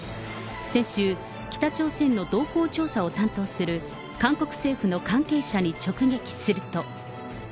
先週、北朝鮮の動向調査を担当する韓国政府の関係者に直撃すると。